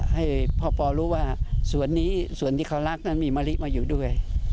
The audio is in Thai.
ให้พ่อปอรู้ว่าสวนนี้ส่วนที่เขารักนั้นมีมะลิมาอยู่ด้วย